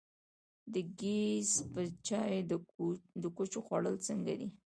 د ګیځ په چای د کوچو خوړل څنګه دي؟